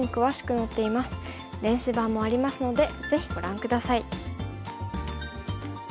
電子版もありますのでぜひご覧下さい。